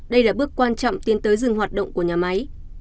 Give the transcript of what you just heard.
đây là bước quan trọng tiến tới dừng hoạt động của nhà máy